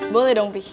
boleh dong pi